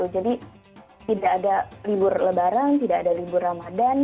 jadi tidak ada libur lebaran tidak ada libur ramadhan